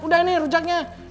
udah nih rujaknya